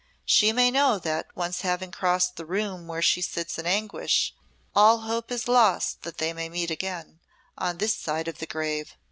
She may know that, once having crossed the room where she sits in anguish, all hope is lost that they may meet again on this side of the grave.